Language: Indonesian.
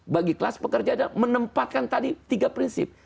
bagi kelas pekerja menempatkan tadi tiga prinsip